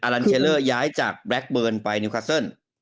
ลันเทลเลอร์ย้ายจากแล็คเบิร์นไปนิวคัสเซิล